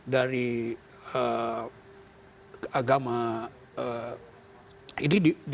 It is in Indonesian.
dari agama idul islam